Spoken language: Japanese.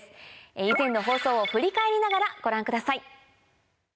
以前の放送を振り返りながらご覧ください。